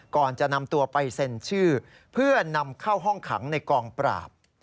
ก่อนจะนำตัวไปเซ็นชื่อเพื่อนำเข้าห้องขังในกองปราบ